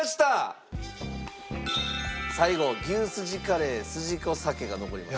最後牛すじカレーすじこさけが残りました。